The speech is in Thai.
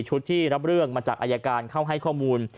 ที่รับเรื่องมาจากอายการเข้าให้ข้อมูล